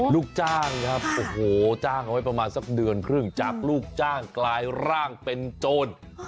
ลูกจ้างครับโอ้โหจ้างเอาไว้ประมาณสักเดือนครึ่งจากลูกจ้างกลายร่างเป็นโจร